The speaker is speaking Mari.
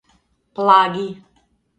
Плаги.